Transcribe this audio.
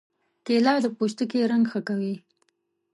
کېله د پوستکي رنګ ښه کوي.